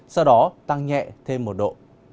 sau đó tăng nhẹ thêm một độ